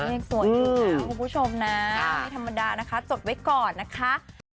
ยังสวยอยู่นะคุณผู้ชมนะไม่ธรรมดานะคะจดไว้ก่อนนะคะ